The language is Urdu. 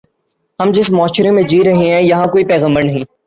ہم جس معاشرے میں جی رہے ہیں، یہاں کوئی پیغمبر ہے۔